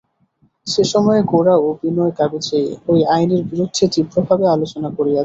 সে সময়ে গোরা ও বিনয় কাগজে ঐ আইনের বিরুদ্ধে তীব্রভাবে আলোচনা করিয়াছে।